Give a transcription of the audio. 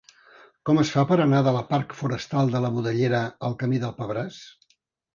Com es fa per anar de la parc Forestal de la Budellera al camí del Pebràs?